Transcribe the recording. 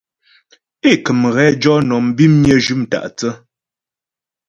É kə̀m ghɛ jɔ nɔm bimnyə jʉm tâ'thə́.